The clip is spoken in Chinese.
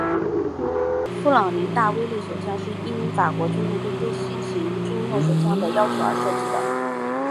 勃朗宁大威力手枪是应法国军队对新型军用手枪的要求而设计的。